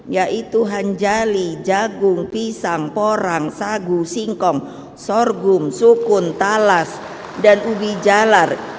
yaitu hanjali jagung pisang porang sagu singkong sorghum sukun talas dan ubi jalar